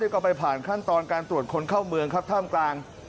ก็ไปผ่านขั้นตอนการตรวจคนเข้าเมืองครับท่ามกลาง